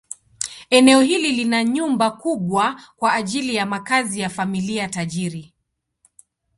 Eneo hili lina nyumba kubwa kwa ajili ya makazi ya familia tajiri.